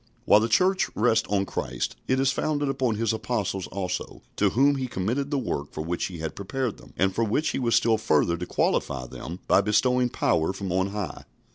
While the Church rests on Christ, it is founded upon His Apostles also, to whom He committed the work for which He had prepared them, and for which He was still further to qualify them by bestowing power from on high.